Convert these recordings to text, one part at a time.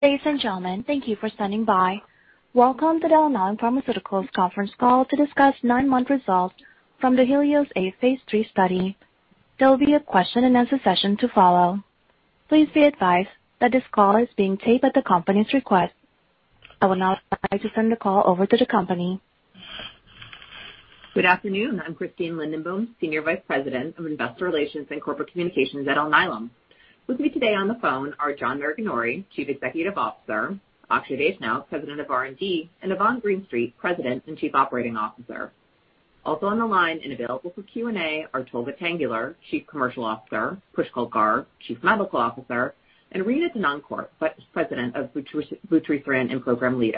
Ladies and gentlemen, thank you for standing by. Welcome to the Alnylam Pharmaceuticals conference call to discuss nine-month results from the HELIOS-A phase III study. There will be a question-and-answer session to follow. Please be advised that this call is being taped at the company's request. I will now advise to send the call over to the company. Good afternoon. I'm Christine Lindenboom, Senior Vice President of Investor Relations and Corporate Communications at Alnylam. With me today on the phone are John Maraganore, Chief Executive Officer, Akshay Vaishnaw, President of R&D, and Yvonne Greenstreet, President and Chief Operating Officer. Also on the line and available for Q&A are Tolga Tanguler, Chief Commercial Officer, Pushkal Garg, Chief Medical Officer, and Rena Denoncourt, Vice President, TTR Franchise Lead.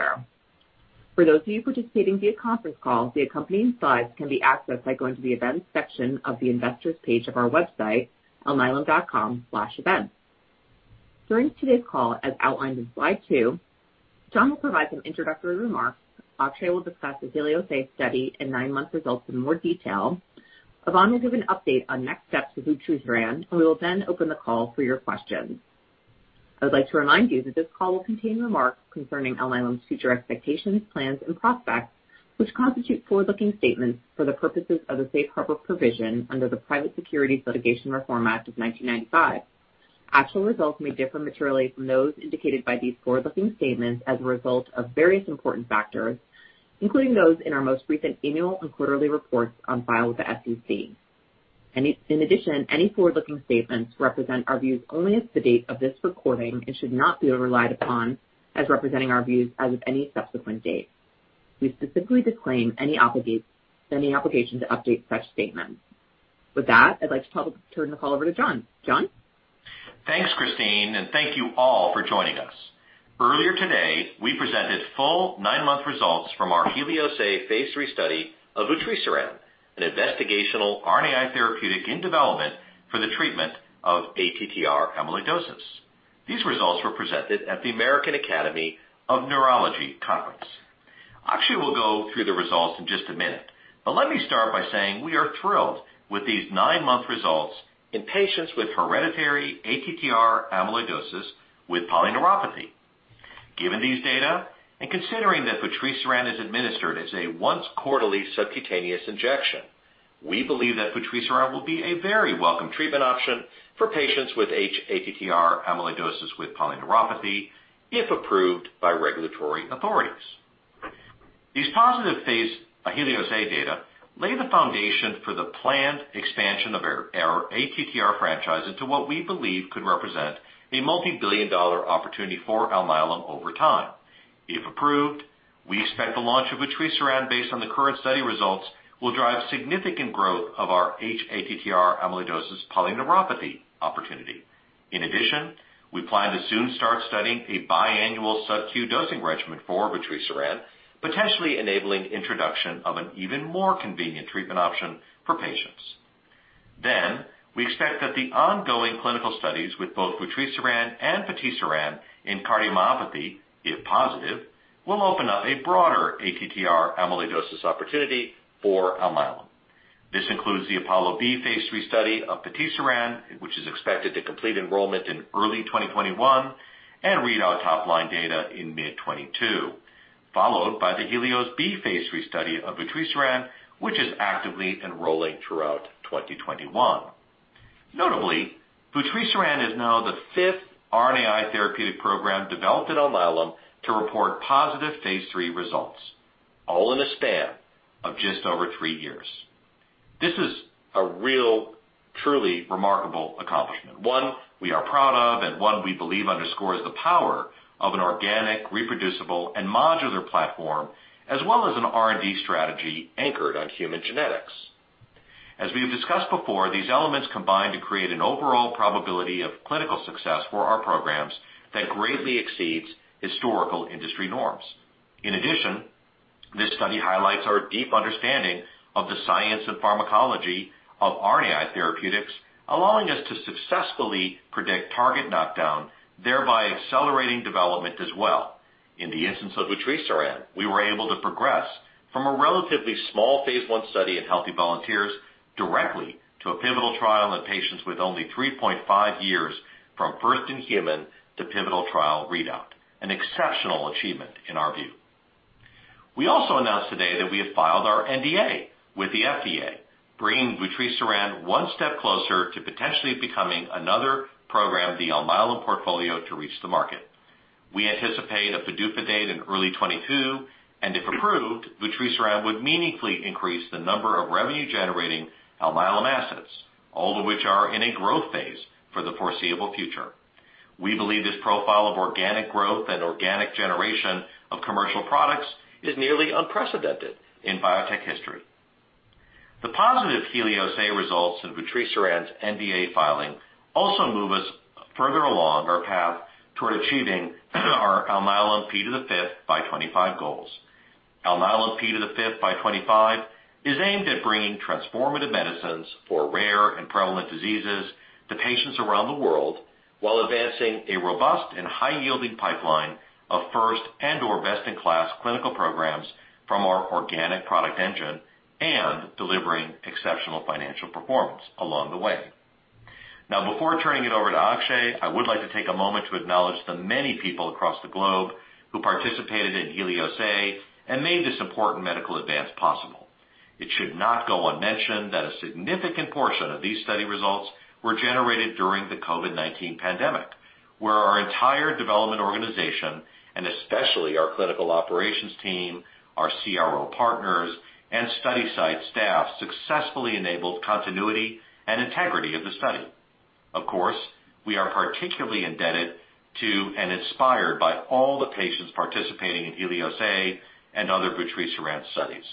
For those of you participating via conference call, the accompanying slides can be accessed by going to the events section of the investors' page of our website, alnylam.com/events. During today's call, as outlined in slide two, John will provide some introductory remarks, Akshay will discuss the HELIOS-A study and nine-month results in more detail, Yvonne will give an update on next steps with vutrisiran, and we will then open the call for your questions. I would like to remind you that this call will contain remarks concerning Alnylam's future expectations, plans, and prospects, which constitute forward-looking statements for the purposes of the Safe Harbor Provision under the Private Securities Litigation Reform Act of 1995. Actual results may differ materially from those indicated by these forward-looking statements as a result of various important factors, including those in our most recent annual and quarterly reports on file with the SEC. In addition, any forward-looking statements represent our views only as of the date of this recording and should not be relied upon as representing our views as of any subsequent date. We specifically disclaim any obligation to update such statements. With that, I'd like to turn the call over to John. John? Thanks, Christine, and thank you all for joining us. Earlier today, we presented full nine-month results from our HELIOS-A phase III study of vutrisiran, an investigational RNAi therapeutic in development for the treatment of ATTR amyloidosis. These results were presented at the American Academy of Neurology conference. Akshay will go through the results in just a minute, but let me start by saying we are thrilled with these nine-month results in patients with hereditary ATTR amyloidosis with polyneuropathy. Given these data and considering that vutrisiran is administered as a once-quarterly subcutaneous injection, we believe that vutrisiran will be a very welcome treatment option for patients with hATTR amyloidosis with polyneuropathy if approved by regulatory authorities. These positive phase HELIOS-A data lay the foundation for the planned expansion of our ATTR franchise into what we believe could represent a multi-billion dollar opportunity for Alnylam over time. If approved, we expect the launch of vutrisiran based on the current study results will drive significant growth of our hATTR amyloidosis polyneuropathy opportunity. In addition, we plan to soon start studying a biannual sub-Q dosing regimen for vutrisiran, potentially enabling the introduction of an even more convenient treatment option for patients. Then, we expect that the ongoing clinical studies with both vutrisiran and patisiran in cardiomyopathy, if positive, will open up a broader ATTR amyloidosis opportunity for Alnylam. This includes the APOLLO-B phase III study of patisiran, which is expected to complete enrollment in early 2021 and read out top-line data in mid-2022, followed by the HELIOS-B phase III study of vutrisiran, which is actively enrolling throughout 2021. Notably, vutrisiran is now the fifth RNAi therapeutic program developed at Alnylam to report positive phase III results, all in a span of just over three years. This is a real, truly remarkable accomplishment, one we are proud of and one we believe underscores the power of an organic, reproducible, and modular platform, as well as an R&D strategy anchored on human genetics. As we've discussed before, these elements combine to create an overall probability of clinical success for our programs that greatly exceeds historical industry norms. In addition, this study highlights our deep understanding of the science and pharmacology of RNAi therapeutics, allowing us to successfully predict target knockdown, thereby accelerating development as well. In the instance of vutrisiran, we were able to progress from a relatively small phase I study in healthy volunteers directly to a pivotal trial in patients with only 3.5 years from first in human to pivotal trial readout, an exceptional achievement in our view. We also announced today that we have filed our NDA with the FDA, bringing vutrisiran one step closer to potentially becoming another program in the Alnylam portfolio to reach the market. We anticipate a PDUFA date in early 2022, and if approved, vutrisiran would meaningfully increase the number of revenue-generating Alnylam assets, all of which are in a growth phase for the foreseeable future. We believe this profile of organic growth and organic generation of commercial products is nearly unprecedented in biotech history. The positive HELIOS-A results in vutrisiran's NDA filing also move us further along our path toward achieving our Alnylam P5x25 goals. Alnylam P5x25 is aimed at bringing transformative medicines for rare and prevalent diseases to patients around the world while advancing a robust and high-yielding pipeline of first and/or best-in-class clinical programs from our organic product engine and delivering exceptional financial performance along the way. Now, before turning it over to Akshay, I would like to take a moment to acknowledge the many people across the globe who participated in HELIOS-A and made this important medical advance possible. It should not go unmentioned that a significant portion of these study results were generated during the COVID-19 pandemic, where our entire development organization, and especially our clinical operations team, our CRO partners, and study site staff successfully enabled continuity and integrity of the study. Of course, we are particularly indebted to and inspired by all the patients participating in HELIOS-A and other vutrisiran studies.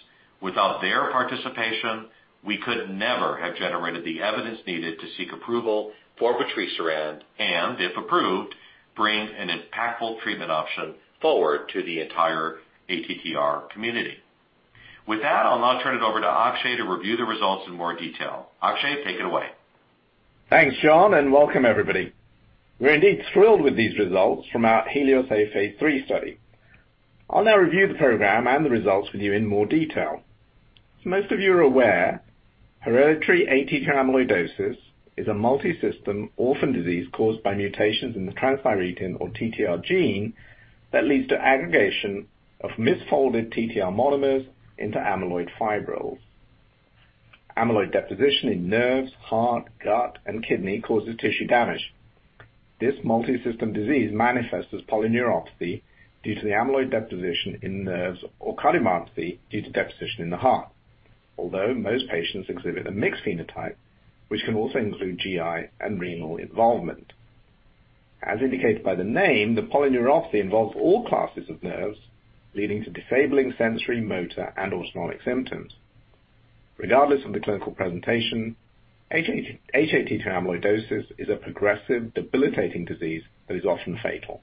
Without their participation, we could never have generated the evidence needed to seek approval for vutrisiran and, if approved, bring an impactful treatment option forward to the entire ATTR community. With that, I'll now turn it over to Akshay to review the results in more detail. Akshay, take it away. Thanks, John, and welcome, everybody. We're indeed thrilled with these results from our HELIOS-A phase III study. I'll now review the program and the results with you in more detail. As most of you are aware, hereditary ATTR amyloidosis is a multisystem orphan disease caused by mutations in the transthyretin or TTR gene that leads to aggregation of misfolded TTR monomers into amyloid fibrils. Amyloid deposition in nerves, heart, gut, and kidney causes tissue damage. This multisystem disease manifests as polyneuropathy due to the amyloid deposition in nerves or cardiomyopathy due to deposition in the heart, although most patients exhibit a mixed phenotype, which can also include GI and renal involvement. As indicated by the name, the polyneuropathy involves all classes of nerves, leading to disabling sensory, motor, and autonomic symptoms. Regardless of the clinical presentation, hATTR amyloidosis is a progressive, debilitating disease that is often fatal.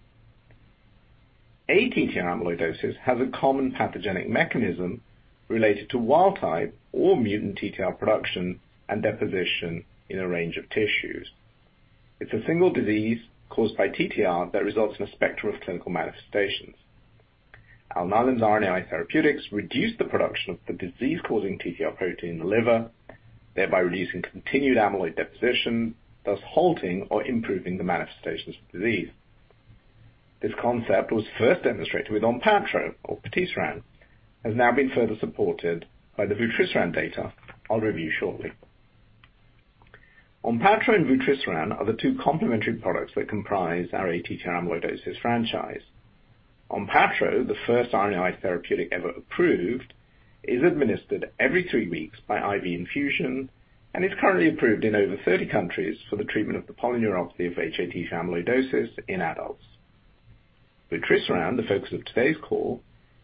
ATTR amyloidosis has a common pathogenic mechanism related to wild-type or mutant TTR production and deposition in a range of tissues. It's a single disease caused by TTR that results in a spectrum of clinical manifestations. Alnylam's RNAi therapeutics reduce the production of the disease-causing TTR protein in the liver, thereby reducing continued amyloid deposition, thus halting or improving the manifestations of disease. This concept was first demonstrated with ONPATTRO, or patisiran, and has now been further supported by the vutrisiran data I'll review shortly. ONPATTRO and vutrisiran are the two complementary products that comprise our ATTR amyloidosis franchise. ONPATTRO, the first RNAi therapeutic ever approved, is administered every three weeks by IV infusion and is currently approved in over 30 countries for the treatment of the polyneuropathy of hATTR amyloidosis in adults. Vutrisiran, the focus of today's call,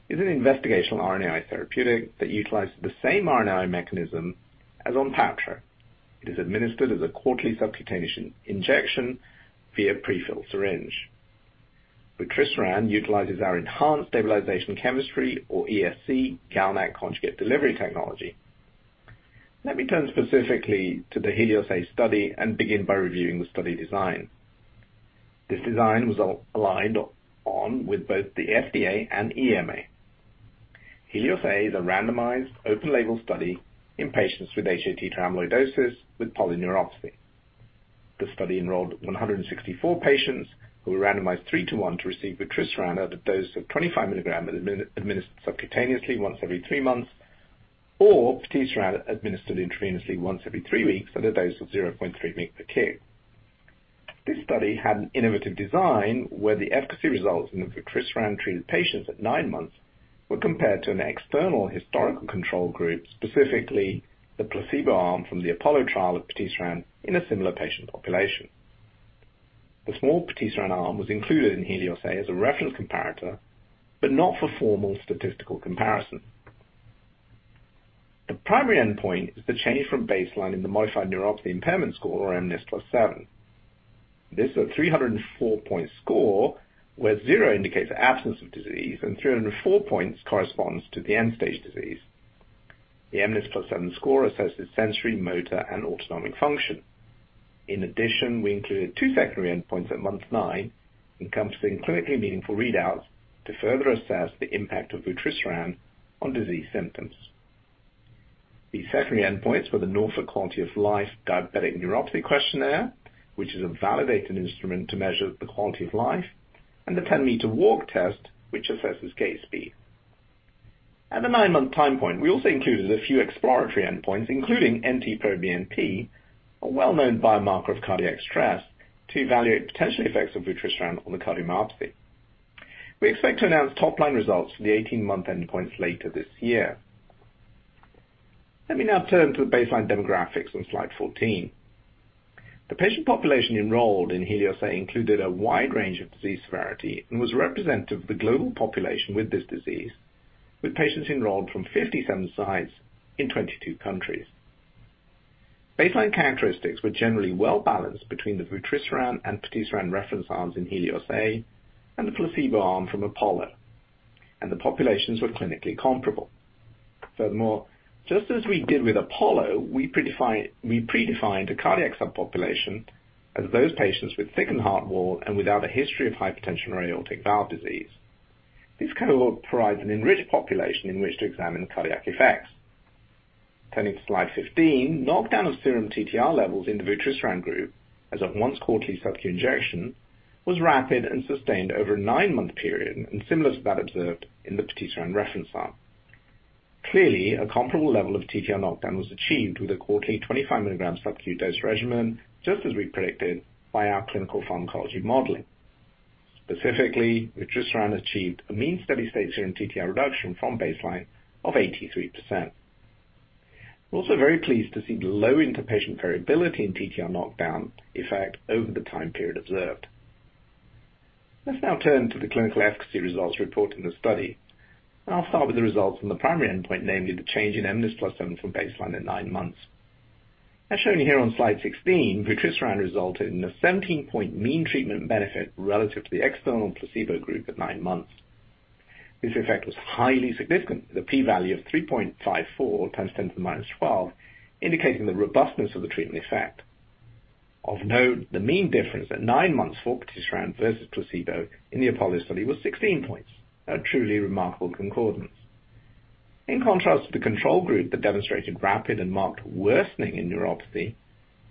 is an investigational RNAi therapeutic that utilizes the same RNAi mechanism as ONPATTRO. It is administered as a quarterly subcutaneous injection via prefilled syringe. Vutrisiran utilizes our enhanced stabilization chemistry, or ESC, GalNAc conjugate delivery technology. Let me turn specifically to the HELIOS-A study and begin by reviewing the study design. This design was aligned with both the FDA and EMA. HELIOS-A is a randomized, open-label study in patients with hATTR amyloidosis with polyneuropathy. The study enrolled 164 patients who were randomized three-to-one to receive vutrisiran at a dose of 25 milligrams administered subcutaneously once every three months, or patisiran administered intravenously once every three weeks at a dose of 0.3 mg per kg. This study had an innovative design where the efficacy results in the vutrisiran-treated patients at nine months were compared to an external historical control group, specifically the placebo arm from the APOLLO trial of patisiran in a similar patient population. The small patisiran arm was included in HELIOS-A as a reference comparator, but not for formal statistical comparison. The primary endpoint is the change from baseline in the modified neuropathy impairment score, or mNIS+7. This is a 304-point score where 0 indicates absence of disease and 304 points corresponds to the end-stage disease. The mNIS+7 score assesses sensory, motor, and autonomic function. In addition, we included two secondary endpoints at month nine, encompassing clinically meaningful readouts to further assess the impact of vutrisiran on disease symptoms. The secondary endpoints were the Norfolk Quality of Life-Diabetic Neuropathy Questionnaire, which is a validated instrument to measure the quality of life, and the 10-Meter Walk Test, which assesses gait speed. At the nine-month time point, we also included a few exploratory endpoints, including NT-proBNP, a well-known biomarker of cardiac stress, to evaluate potential effects of vutrisiran on the cardiomyopathy. We expect to announce top-line results for the 18-month endpoints later this year. Let me now turn to the baseline demographics on slide 14. The patient population enrolled in HELIOS-A included a wide range of disease severity and was representative of the global population with this disease, with patients enrolled from 57 sites in 22 countries. Baseline characteristics were generally well-balanced between the vutrisiran and patisiran reference arms in HELIOS-A and the placebo arm from APOLLO, and the populations were clinically comparable. Furthermore, just as we did with APOLLO, we predefined a cardiac subpopulation as those patients with thickened heart wall and without a history of hypertension or aortic valve disease. This cohort provides an enriched population in which to examine cardiac effects. Turning to slide 15, knockdown of serum TTR levels in the vutrisiran group as of once-quarterly sub-Q injection was rapid and sustained over a nine-month period and similar to that observed in the patisiran reference arm. Clearly, a comparable level of TTR knockdown was achieved with a quarterly 25 milligram sub-Q dose regimen, just as we predicted by our clinical pharmacology modeling. Specifically, vutrisiran achieved a mean steady-state serum TTR reduction from baseline of 83%. We're also very pleased to see the low interpatient variability in TTR knockdown effect over the time period observed. Let's now turn to the clinical efficacy results reporting the study. I'll start with the results from the primary endpoint, namely the change in mNIS+7 from baseline at nine months. As shown here on slide 16, vutrisiran resulted in a 17-point mean treatment benefit relative to the external placebo group at nine months. This effect was highly significant, with a p-value of 3.54 times 10 to the minus 12, indicating the robustness of the treatment effect. Of note, the mean difference at nine months for patisiran versus placebo in the APOLLO study was 16 points, a truly remarkable concordance. In contrast to the control group that demonstrated rapid and marked worsening in neuropathy,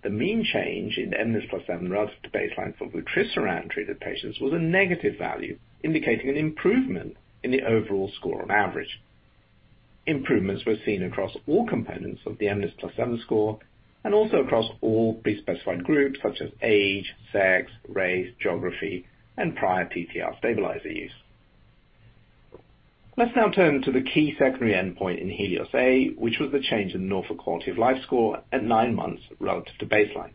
the mean change in mNIS+7 relative to baseline for vutrisiran-treated patients was a negative value, indicating an improvement in the overall score on average. Improvements were seen across all components of the mNIS+7 score and also across all pre-specified groups, such as age, sex, race, geography, and prior TTR stabilizer use. Let's now turn to the key secondary endpoint in HELIOS-A, which was the change in the Norfolk Quality of Life score at nine months relative to baseline.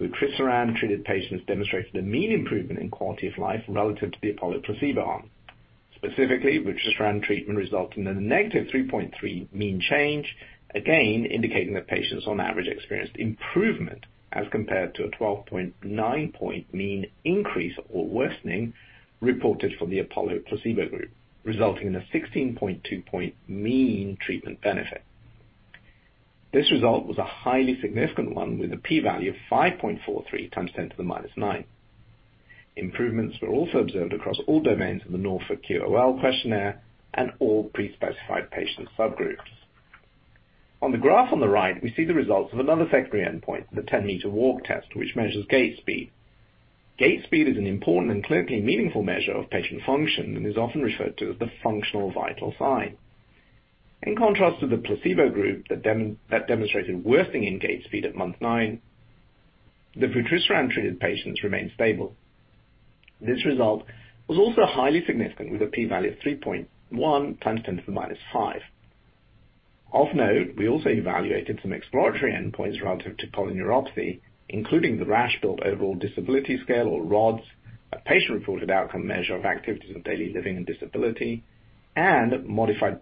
Vutrisiran-treated patients demonstrated a mean improvement in quality of life relative to the APOLLO placebo arm. Specifically, vutrisiran treatment resulted in a negative 3.3 mean change, again indicating that patients on average experienced improvement as compared to a 12.9-point mean increase or worsening reported for the APOLLO placebo group, resulting in a 16.2-point mean treatment benefit. This result was a highly significant one with a p-value of 5.43 x 10 to the -9. Improvements were also observed across all domains in the Norfolk QOL questionnaire and all pre-specified patient subgroups. On the graph on the right, we see the results of another secondary endpoint, the 10-Meter Walk Test, which measures gait speed. Gait speed is an important and clinically meaningful measure of patient function and is often referred to as the functional vital sign. In contrast to the placebo group that demonstrated worsening in gait speed at month nine, the vutrisiran-treated patients remained stable. This result was also highly significant with a p-value of 3.1 x 10 to the -5. Of note, we also evaluated some exploratory endpoints relative to polyneuropathy, including the Rasch-built Overall Disability Scale, or R-ODS, a patient-reported outcome measure of activities of daily living and disability, and modified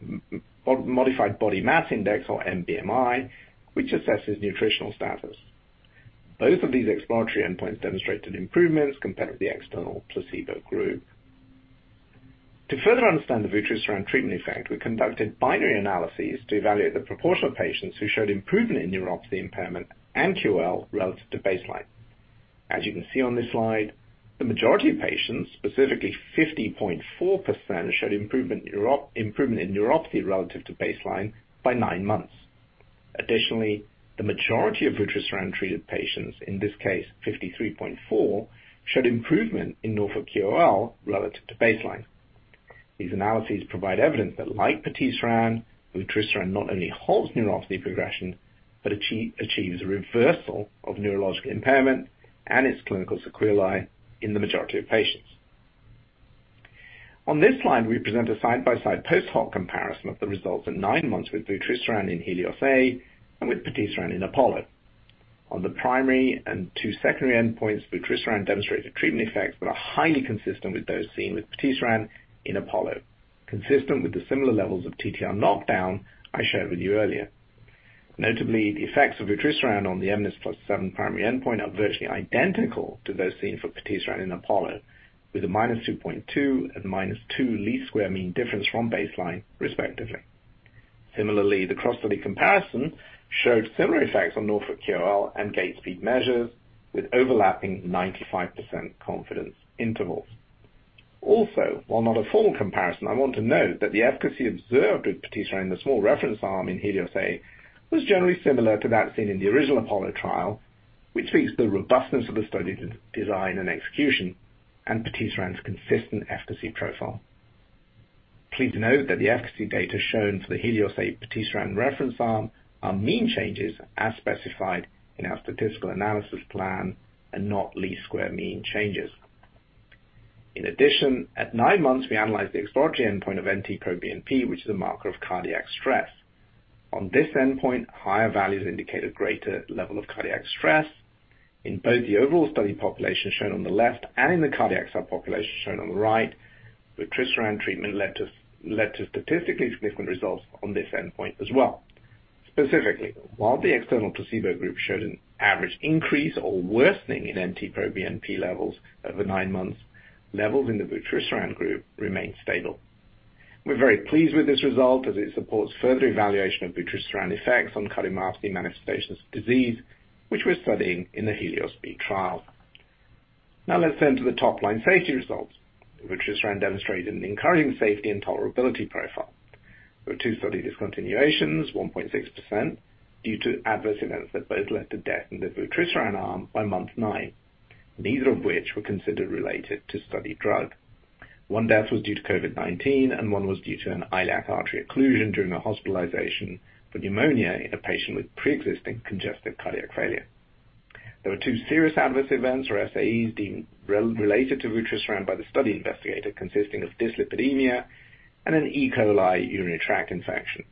body mass index, or mBMI, which assesses nutritional status. Both of these exploratory endpoints demonstrated improvements compared with the external placebo group. To further understand the vutrisiran treatment effect, we conducted binary analyses to evaluate the proportion of patients who showed improvement in neuropathy impairment and QOL relative to baseline. As you can see on this slide, the majority of patients, specifically 50.4%, showed improvement in neuropathy relative to baseline by nine months. Additionally, the majority of vutrisiran-treated patients, in this case 53.4%, showed improvement in Norfolk QOL relative to baseline. These analyses provide evidence that, like patisiran, vutrisiran not only halts neuropathy progression but achieves reversal of neurological impairment and its clinical sequelae in the majority of patients. On this slide, we present a side-by-side post-hoc comparison of the results at nine months with vutrisiran in HELIOS-A and with patisiran in APOLLO. On the primary and two secondary endpoints, vutrisiran demonstrated treatment effects that are highly consistent with those seen with patisiran in APOLLO, consistent with the similar levels of TTR knockdown I shared with you earlier. Notably, the effects of vutrisiran on the mNIS+7 primary endpoint are virtually identical to those seen for patisiran in APOLLO, with a minus 2.2 and minus 2 least square mean difference from baseline, respectively. Similarly, the cross-study comparison showed similar effects on Norfolk QOL and gait speed measures with overlapping 95% confidence intervals. Also, while not a formal comparison, I want to note that the efficacy observed with patisiran in the small reference arm in HELIOS-A was generally similar to that seen in the oriGenal APOLLO trial, which speaks to the robustness of the study design and execution and patisiran's consistent efficacy profile. Please note that the efficacy data shown for the HELIOS-A patisiran reference arm are mean changes as specified in our statistical analysis plan and not least-squares mean changes. In addition, at nine months, we analyzed the exploratory endpoint of NT-proBNP, which is a marker of cardiac stress. On this endpoint, higher values indicate a greater level of cardiac stress. In both the overall study population shown on the left and in the cardiac subpopulation shown on the right, vutrisiran treatment led to statistically significant results on this endpoint as well. Specifically, while the external placebo group showed an average increase or worsening in NT-proBNP levels over nine months, levels in the vutrisiran group remained stable. We're very pleased with this result as it supports further evaluation of vutrisiran effects on cardiomyopathy manifestations of disease, which we're studying in the HELIOS-B trial. Now let's turn to the top-line safety results. vutrisiran demonstrated an encouraging safety and tolerability profile. There were two study discontinuations, 1.6%, due to adverse events that both led to death in the vutrisiran arm by month nine, neither of which were considered related to study drug. One death was due to COVID-19, and one was due to an iliac artery occlusion during a hospitalization for pneumonia in a patient with pre-existing congestive cardiac failure. There were two serious adverse events or SAEs deemed related to vutrisiran by the study investigator, consisting of dyslipidemia and an E. coli urinary tract infection.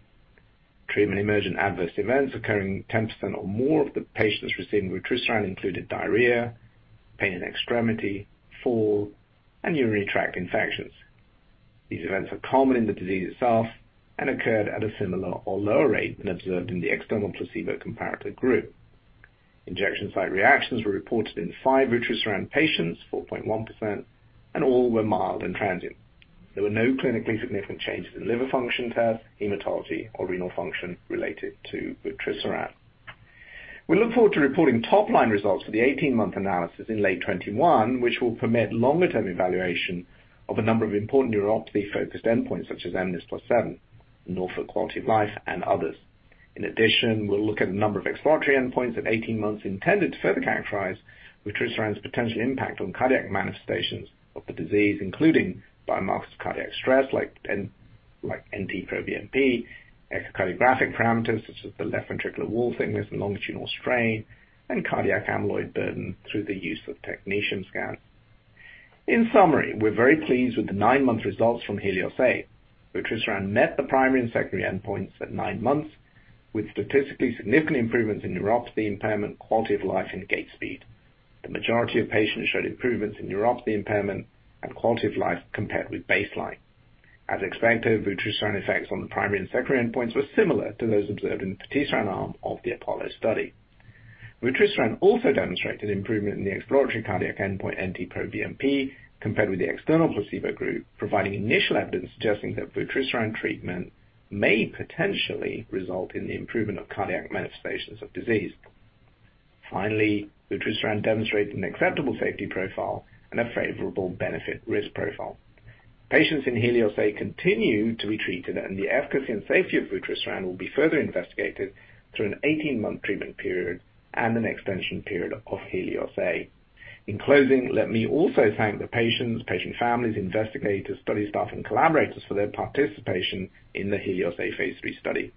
Treatment-emergent adverse events occurring in 10% or more of the patients receiving vutrisiran included diarrhea, pain in extremity, fall, and urinary tract infections. These events are common in the disease itself and occurred at a similar or lower rate than observed in the external placebo comparator group. Injection site reactions were reported in five vutrisiran patients, 4.1%, and all were mild and transient. There were no clinically significant changes in liver function tests, hematology, or renal function related to vutrisiran. We look forward to reporting top-line results for the 18-month analysis in late 2021, which will permit longer-term evaluation of a number of important neuropathy-focused endpoints such as mNIS+7, Norfolk Quality of Life, and others. In addition, we'll look at a number of exploratory endpoints at 18 months intended to further characterize vutrisiran's potential impact on cardiac manifestations of the disease, including biomarkers of cardiac stress like NT-proBNP, echocardiographic parameters such as the left ventricular wall thickness and longitudinal strain, and cardiac amyloid burden through the use of Technetium scans. In summary, we're very pleased with the nine-month results from HELIOS-A. Vutrisiran met the primary and secondary endpoints at nine months with statistically significant improvements in neuropathy impairment, quality of life, and gait speed. The majority of patients showed improvements in neuropathy impairment and quality of life compared with baseline. As expected, vutrisiran effects on the primary and secondary endpoints were similar to those observed in the patisiran arm of the APOLLO study. vutrisiran also demonstrated improvement in the exploratory cardiac endpoint NT-proBNP compared with the external placebo group, providing initial evidence suggesting that vutrisiran treatment may potentially result in the improvement of cardiac manifestations of disease. Finally, vutrisiran demonstrated an acceptable safety profile and a favorable benefit-risk profile. Patients in HELIOS-A continue to be treated, and the efficacy and safety of vutrisiran will be further investigated through an 18-month treatment period and an extension period of HELIOS-A. In closing, let me also thank the patients, patient families, investigators, study staff, and collaborators for their participation in the HELIOS-A phase III study.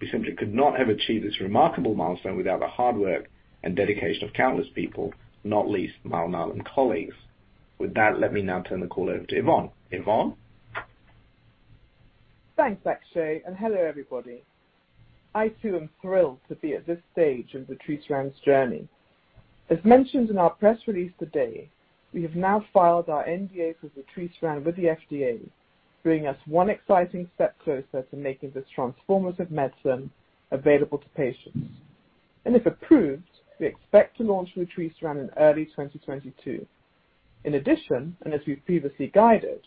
We simply could not have achieved this remarkable milestone without the hard work and dedication of countless people, not least our Alnylam colleagues. With that, let me now turn the call over to Yvonne. Yvonne. Thanks, Akshay, and hello, everybody. I too am thrilled to be at this stage in vutrisiran's journey. As mentioned in our press release today, we have now filed our NDA for vutrisiran with the FDA, bringing us one exciting step closer to making this transformative medicine available to patients. And if approved, we expect to launch vutrisiran in early 2022. In addition, and as we've previously guided,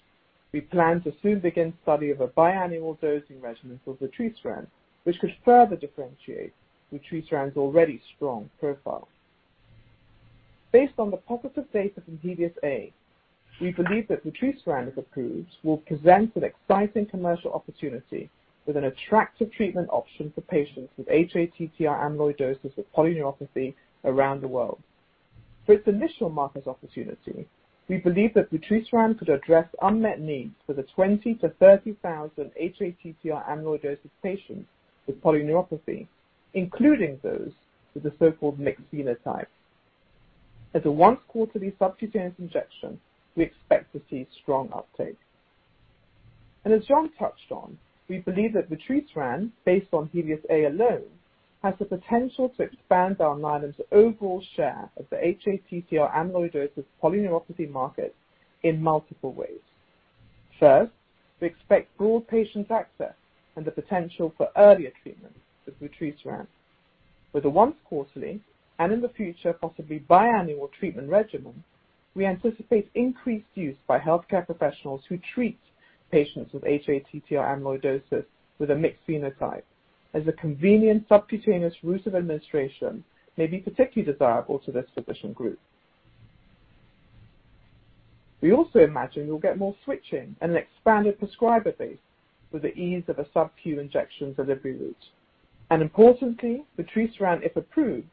we plan to soon begin study of a biannual dosing regimen for vutrisiran, which could further differentiate vutrisiran's already strong profile. Based on the positive data from HELIOS-A, we believe that vutrisiran, if approved, will present an exciting commercial opportunity with an attractive treatment option for patients with hATTR amyloidosis with polyneuropathy around the world. For its initial market opportunity, we believe that vutrisiran could address unmet needs for the 20,000-30,000 hATTR amyloidosis patients with polyneuropathy, including those with the so-called mixed phenotype. As a once-quarterly subcutaneous injection, we expect to see strong uptake, and as John touched on, we believe that vutrisiran, based on HELIOS-A alone, has the potential to expand our Alnylam's overall share of the hATTR amyloidosis polyneuropathy market in multiple ways. First, we expect broad patient access and the potential for earlier treatment with vutrisiran. With a once-quarterly and, in the future, possibly biannual treatment regimen, we anticipate increased use by healthcare professionals who treat patients with hATTR amyloidosis with a mixed phenotype, as a convenient subcutaneous route of administration may be particularly desirable to this physician group. We also imagine we'll get more switching and an expanded prescriber base with the ease of a sub-Q injection delivery route. And importantly, vutrisiran, if approved,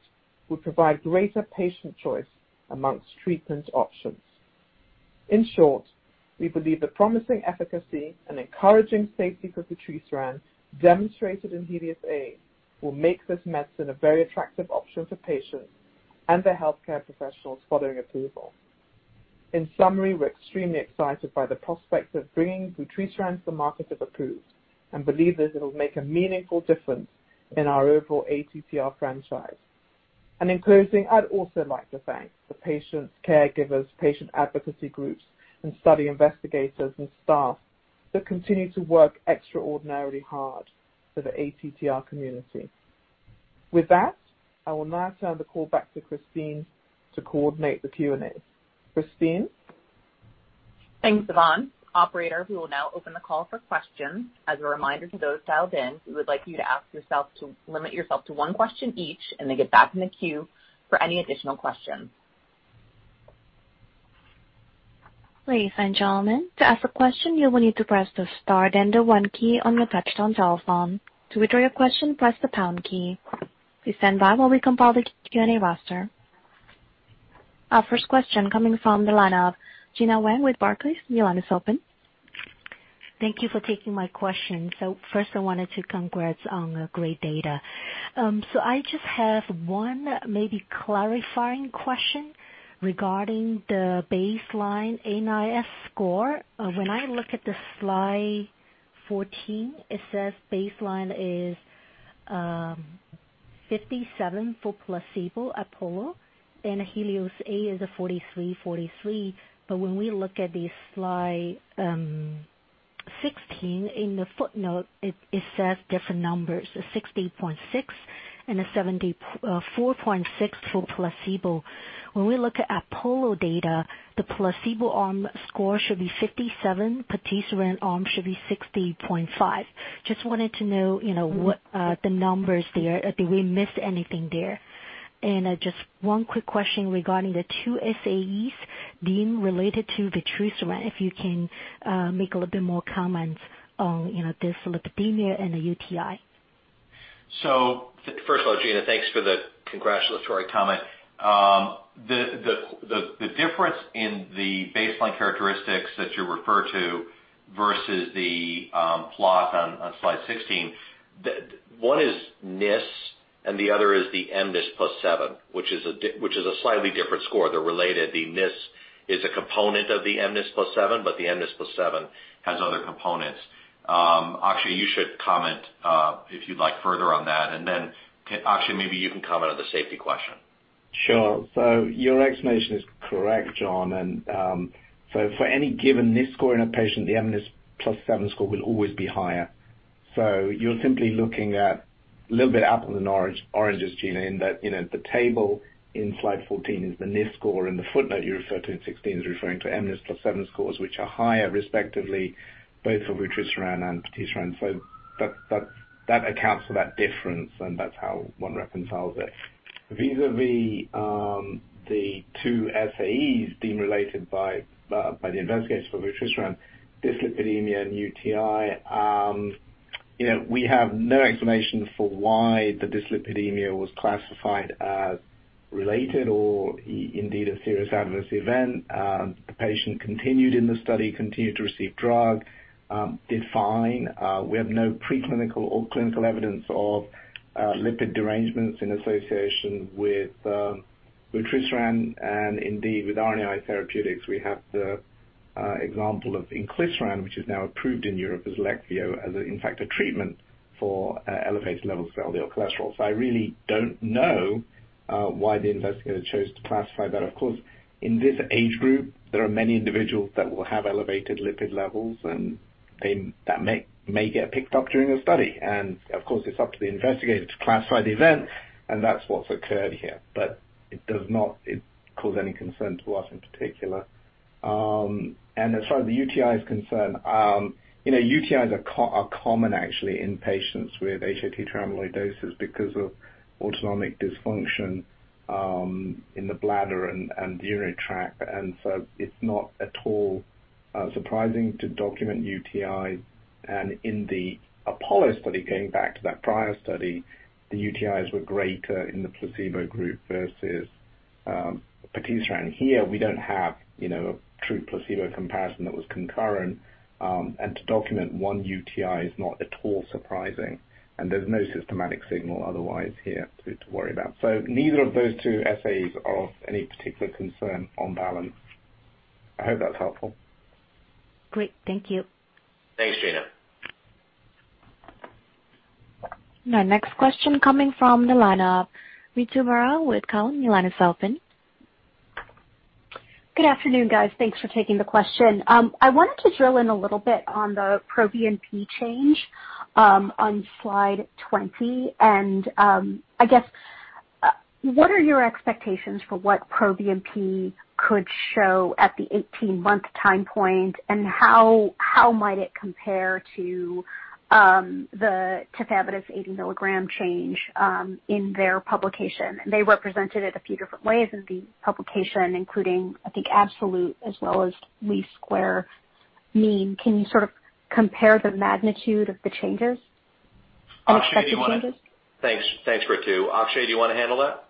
would provide greater patient choice among treatment options. In short, we believe the promising efficacy and encouraging safety for vutrisiran demonstrated in HELIOS-A will make this medicine a very attractive option for patients and their healthcare professionals following approval. In summary, we're extremely excited by the prospect of bringing vutrisiran to the market if approved and believe that it will make a meaningful difference in our overall ATTR franchise. And in closing, I'd also like to thank the patients, caregivers, patient advocacy groups, and study investigators and staff that continue to work extraordinarily hard for the ATTR community. With that, I will now turn the call back to Christine to coordinate the Q&A. Christine? Thanks, Yvonne. Operator, we will now open the call for questions. As a reminder to those dialed in, we would like you to limit yourself to one question each and then get back in the queue for any additional questions. Ladies and gentlemen, to ask a question, you will need to press the star and the one key on your touch-tone cell phone. To withdraw your question, press the pound key. Please stand by while we compile the Q&A roster. Our first question coming from the line of Gena Wang with Barclays. Gena, your line is open. Thank you for taking my question. First, I wanted to congratulate on the great data. I just have one maybe clarifying question regarding the baseline NIS score. When I look at the slide 14, it says baseline is 57 for placebo APOLLO and HELIOS-A is a 43, 43. But when we look at the slide 16, in the footnote, it says different numbers, a 60.6 and a 74.6 for placebo. When we look at APOLLO data, the placebo arm score should be 57, patisiran arm should be 60.5. Just wanted to know what the numbers there, did we miss anything there? And just one quick question regarding the two SAEs deemed related to vutrisiran, if you can make a little bit more comments on dyslipidemia and the UTI. First of all, Gena, thanks for the congratulatory comment. The difference in the baseline characteristics that you refer to versus the plot on slide 16, one is NIS and the other is the mNIS+7, which is a slightly different score. They're related. The NIS is a component of the mNIS+7, but the mNIS+7 has other components. Akshay, you should comment if you'd like further on that. And then Akshay, maybe you can comment on the safety question. Sure. So your explanation is correct, John. And so for any given mNIS score in a patient, the mNIS+7 score will always be higher. So you're simply looking at a little bit apple to the oranges, Gena, in that the table in slide 14 is the NIS score, and the footnote you refer to in 16 is referring to mNIS+7 scores, which are higher, respectively, both for vutrisiran and patisiran. So that accounts for that difference, and that's how one reconciles it. Vis-à-vis the two SAEs deemed related by the investigators for vutrisiran, dyslipidemia and UTI, we have no explanation for why the dyslipidemia was classified as related or indeed a serious adverse event. The patient continued in the study, continued to receive drug, did fine. We have no preclinical or clinical evidence of lipid derangements in association with vutrisiran and indeed with RNAi therapeutics. We have the example of inclisiran, which is now approved in Europe as Leqvio, as in fact a treatment for elevated levels of LDL cholesterol. So I really don't know why the investigator chose to classify that. Of course, in this age group, there are many individuals that will have elevated lipid levels, and that may get picked up during a study. And of course, it's up to the investigator to classify the event, and that's what's occurred here. But it does not cause any concern to us in particular. And as far as the UTI is concerned, UTIs are common actually in patients with hATTR amyloidosis because of autonomic dysfunction in the bladder and urinary tract. And so it's not at all surprising to document UTI. And in the APOLLO study, going back to that prior study, the UTIs were greater in the placebo group versus patisiran. Here, we don't have a true placebo comparison that was concurrent. And to document one UTI is not at all surprising. And there's no systematic signal otherwise here to worry about. So neither of those two SAEs are of any particular concern on balance. I hope that's helpful. Great. Thank you. Thanks, Gena. Now, next question coming from the line of Ritu Baral with Cowen. Good afternoon, guys. Thanks for taking the question. I wanted to drill in a little bit on the proBNP change on slide 20. And I guess, what are your expectations for what proBNP could show at the 18-month time point, and how might it compare to the tafamidis 80 milligram change in their publication? And they represented it a few different ways in the publication, including, I think, absolute as well as least squares mean. Can you sort of compare the magnitude of the changes and expected changes? Of course. Thanks, Ritu. Akshay, do you want to handle that?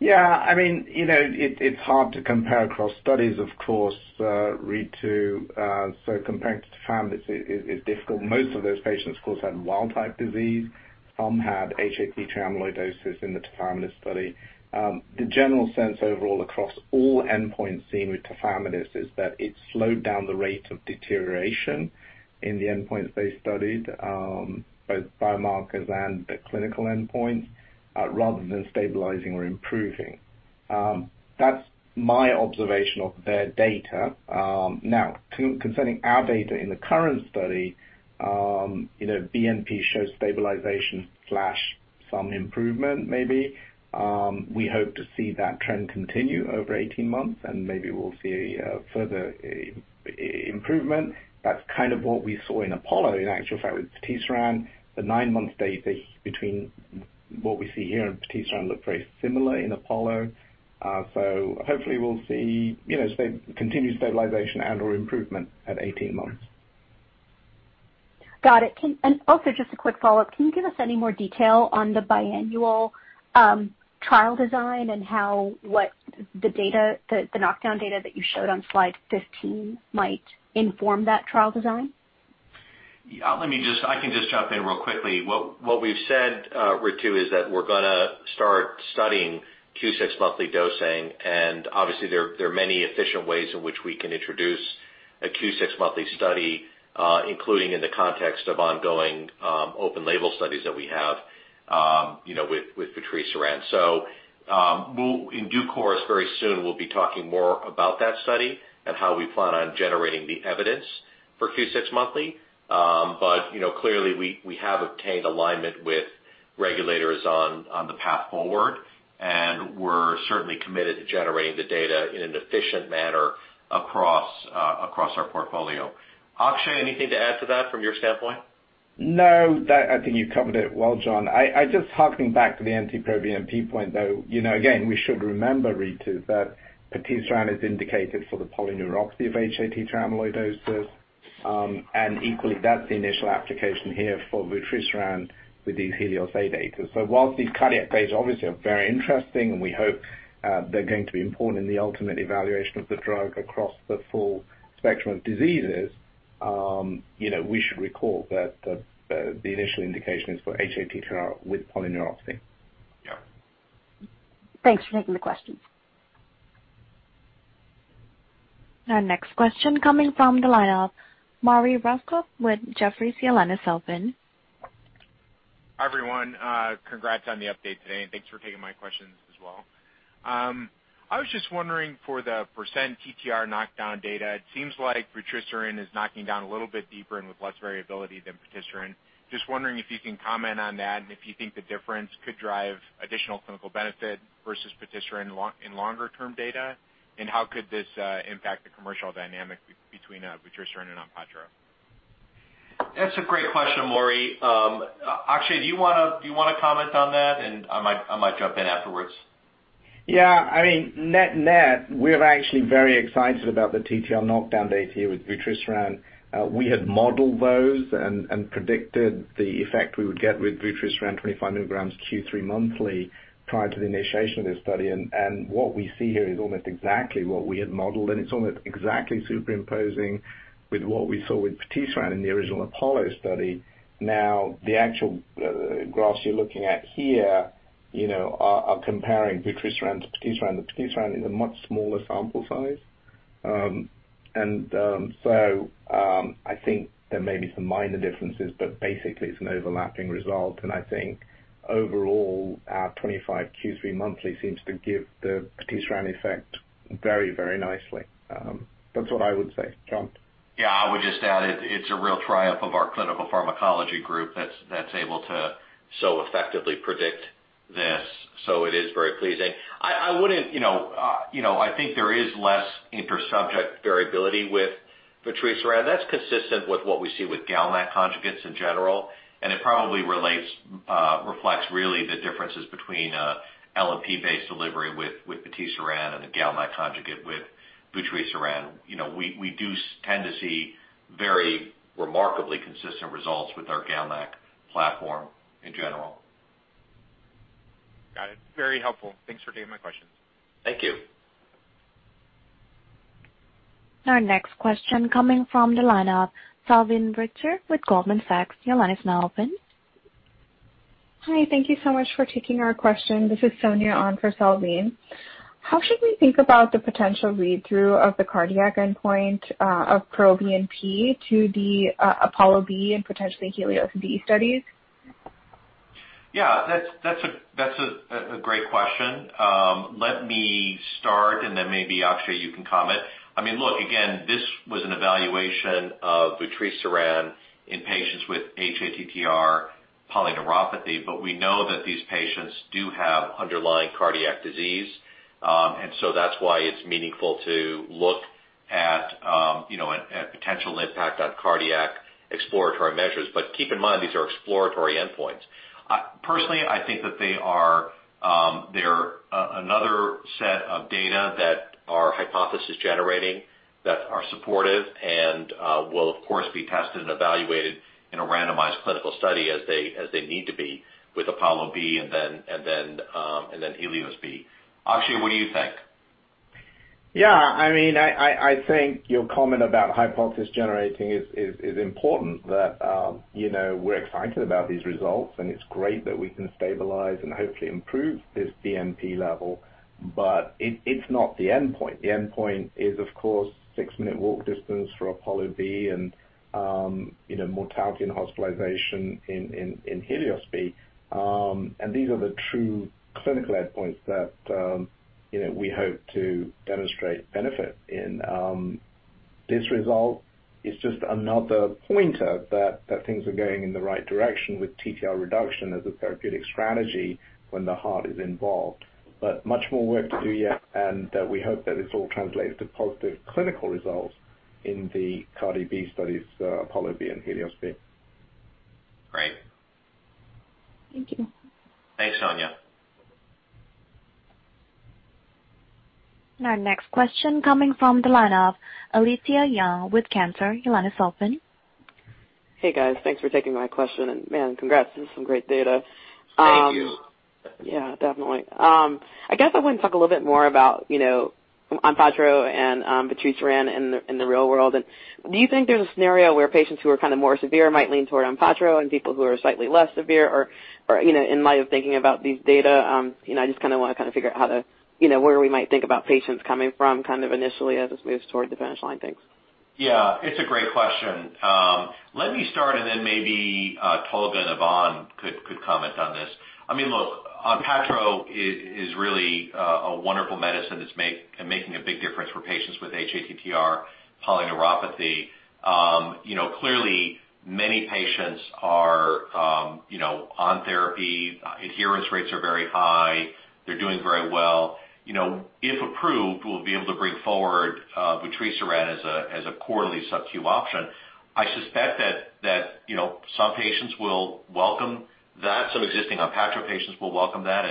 Yeah. I mean, it's hard to compare across studies, of course, Ritu. So comparing to tafamidis is difficult. Most of those patients, of course, had wild-type disease. Some had hATTR amyloidosis in the tafamidis study. The general sense overall across all endpoints seen with tafamidis is that it slowed down the rate of deterioration in the endpoints they studied, both biomarkers and the clinical endpoints, rather than stabilizing or improving. That's my observation of their data. Now, concerning our data in the current study, BNP showed stabilization/some improvement, maybe. We hope to see that trend continue over 18 months, and maybe we'll see further improvement. That's kind of what we saw in APOLLO. In actual fact, with patisiran, the nine-month data between what we see here and patisiran looked very similar in APOLLO. So hopefully, we'll see continued stabilization and/or improvement at 18 months. Got it. And also, just a quick follow-up. Can you give us any more detail on the biannual trial design and how the knockdown data that you showed on slide 15 might inform that trial design? I can just jump in real quickly. What we've said, Ritu, is that we're going to start studying Q6 monthly dosing. And obviously, there are many efficient ways in which we can introduce a Q6 monthly study, including in the context of ongoing open-label studies that we have with patisiran. So in due course, very soon, we'll be talking more about that study and how we plan on generating the evidence for Q6 monthly. But clearly, we have obtained alignment with regulators on the path forward, and we're certainly committed to generating the data in an efficient manner across our portfolio. Akshay, anything to add to that from your standpoint? No. I think you covered it well, John. Just harkening back to the NT-proBNP point, though, again, we should remember, Ritu, that patisiran is indicated for the polyneuropathy of hATTR amyloidosis. And equally, that's the initial application here for vutrisiran with these HELIOS-A data. So while these cardiac data obviously are very interesting, and we hope they're going to be important in the ultimate evaluation of the drug across the full spectrum of diseases, we should recall that the initial indication is for hATTR with polyneuropathy. Yeah. Thanks for taking the question. Now, next question coming from the line of Maury Raycroft with Jefferies. Hi, everyone. Congrats on the update today, and thanks for taking my questions as well. I was just wondering for the percent TTR knockdown data, it seems like vutrisiran is knocking down a little bit deeper and with less variability than patisiran. Just wondering if you can comment on that and if you think the difference could drive additional clinical benefit versus patisiran in longer-term data, and how could this impact the commercial dynamic between patisiran and ONPATTRO? That's a great question, Maury. Akshay, do you want to comment on that? And I might jump in afterwards. Yeah. I mean, net net, we're actually very excited about the TTR knockdown data here with patisiran. We had modeled those and predicted the effect we would get with patisiran 25 milligrams Q3 monthly prior to the initiation of this study. And what we see here is almost exactly what we had modeled, and it's almost exactly superimposing with what we saw with patisiran in the original APOLLO study. Now, the actual graphs you're looking at here are comparing vutrisiran to patisiran. The patisiran is a much smaller sample size. And so I think there may be some minor differences, but basically, it's an overlapping result. And I think overall, our 25 Q3 monthly seems to give the patisiran effect very, very nicely. That's what I would say, John. Yeah. I would just add it's a real triumph of our clinical pharmacology group that's able to so effectively predict this. So it is very pleasing. I wouldn't think there is less intersubject variability with patisiran. That's consistent with what we see with GalNAc conjugates in general. And it probably reflects really the differences between LNP-based delivery with patisiran and the GalNAc conjugate with vutrisiran. We do tend to see very remarkably consistent results with our GalNAc platform in general. Got it. Very helpful. Thanks for taking my questions. Thank you. Now, next question coming from the line of Salveen Richter with Goldman Sachs. Your line is now open. Hi. Thank you so much for taking our question. This is Sonia on for Salveen. How should we think about the potential read-through of the cardiac endpoint of NT-proBNP to the APOLLO-B and potentially HELIOS-B studies? Yeah. That's a great question. Let me start, and then maybe Akshay, you can comment. I mean, look, again, this was an evaluation of vutrisiran in patients with hATTR polyneuropathy, but we know that these patients do have underlying cardiac disease. And so that's why it's meaningful to look at potential impact on cardiac exploratory measures. But keep in mind, these are exploratory endpoints. Personally, I think that they are another set of data that are hypothesis-generating that are supportive and will, of course, be tested and evaluated in a randomized clinical study as they need to be with APOLLO-B and then HELIOS-B. Akshay, what do you think? Yeah. I mean, I think your comment about hypothesis-generating is important that we're excited about these results, and it's great that we can stabilize and hopefully improve this BNP level. But it's not the endpoint. The endpoint is, of course, six-minute walk distance for APOLLO-B and mortality and hospitalization in HELIOS-B. These are the true clinical endpoints that we hope to demonstrate benefit in. This result is just another pointer that things are going in the right direction with TTR reduction as a therapeutic strategy when the heart is involved. But much more work to do yet, and we hope that this all translates to positive clinical results in the cardiac studies, APOLLO-B and HELIOS-B. Great. Thank you. Thanks, Sonia. Now, next question coming from the line of Alethia Young with Cantor Fitzgerald. Hey, guys. Thanks for taking my question. And man, congrats. This is some great data. Thank you. Yeah. Definitely. I guess I want to talk a little bit more about ONPATTRO and patisiran in the real world. And do you think there's a scenario where patients who are kind of more severe might lean toward ONPATTRO and people who are slightly less severe? Or in light of thinking about these data, I just kind of want to kind of figure out where we might think about patients coming from kind of initially as this moves toward the finish line, thanks. Yeah. It's a great question. Let me start, and then maybe Tolga and Yvonne could comment on this. I mean, look, ONPATTRO is really a wonderful medicine that's making a big difference for patients with hATTR polyneuropathy. Clearly, many patients are on therapy. Adherence rates are very high. They're doing very well. If approved, we'll be able to bring forward vutrisiran as a quarterly sub-Q option. I suspect that some patients will welcome that. Some existing ONPATTRO patients will welcome that